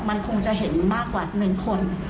มันคงจะเห็นมากกว่า๑คน